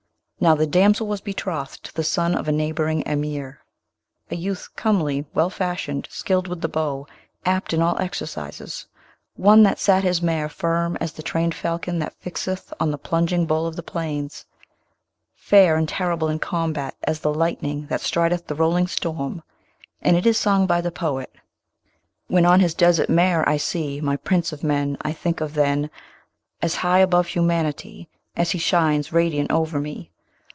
Now, the damsel was betrothed to the son of a neighbouring Emir, a youth comely, well fashioned, skilled with the bow, apt in all exercises; one that sat his mare firm as the trained falcon that fixeth on the plunging bull of the plains; fair and terrible in combat as the lightning that strideth the rolling storm; and it is sung by the poet: When on his desert mare I see My prince of men, I think him then As high above humanity As he shines radiant over me.